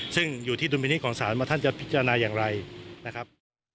ซึ่งอยู่ที่ดุลมินิษฐของศาลว่าท่านจะพิจารณาอย่างไรนะครับ